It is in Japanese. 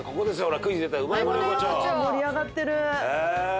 盛り上がってる！ねえ。